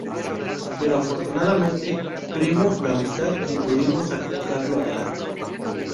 Pero afortunadamente primó la amistad y pudimos sacarlo adelante.